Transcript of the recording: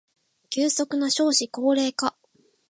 急速な少子高齢化